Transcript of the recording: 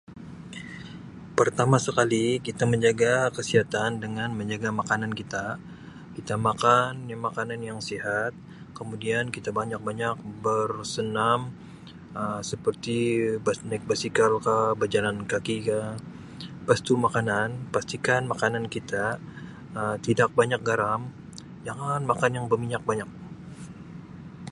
Pertama sekali kita menjaga kesihatan dengan menjaga makanan kita kita makan makanan yang sihat kemudian kita banyak-banyak bersenam Um seperti ber naik basikal kah bejalan kaki kah lepas tu makanan pastikan makanan kita Um tidak banyak garam jangan makan yang berminyak banyak.